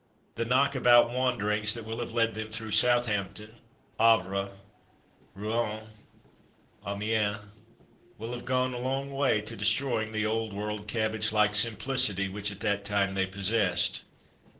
The knock about wanderings that will have led them through Southampton, Havre, Rouen, Amiens, will have gone a long way to de stroying the old world, cabbage like sim plicity which at that time they possessed.